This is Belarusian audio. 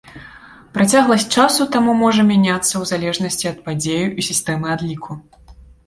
Працягласць часу таму можа мяняцца ў залежнасці ад падзей і сістэмы адліку.